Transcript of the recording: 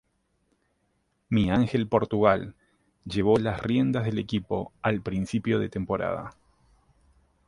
Miguel Ángel Portugal llevó las riendas del equipo al principio de temporada.